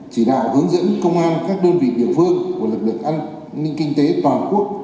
chỉ đạo hướng dẫn công an các đơn vị địa phương của lực lượng an ninh kinh tế toàn quốc